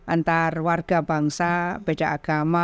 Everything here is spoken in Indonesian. antar warga bangsa beda agama